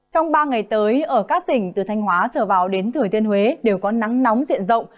trong ba ngày tới ở các tỉnh từ thanh hóa trở vào đến thừa thiên huế đều có nắng nóng diện rộng